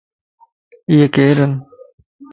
ايي ڪيران؟